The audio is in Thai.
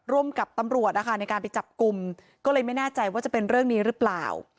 ร่วมกับตำรวจนะคะในการไปจับกลุ่มก็เลยไม่แน่ใจว่าจะเป็นเรื่องนี้หรือเปล่า